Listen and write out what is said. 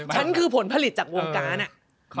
ฉันคือผลผลิตจากวงการ